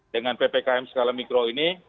dengan ppkm skala mikro ini